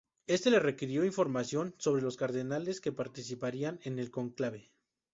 Este le requirió información sobre los cardenales que participarían en el cónclave.